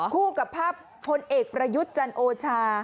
คู่กับภาพพลเอกประยุทธ์จันโอชา